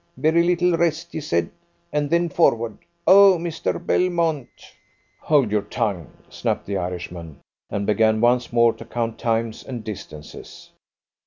"Very little rest, he said, and then forward! Oh, Mr. Belmont " "Hold your tongue!" snapped the Irishman, and began once more to count times and distances.